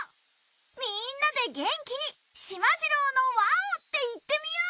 みんなで元気に『しまじろうのわお！』って言ってみよう！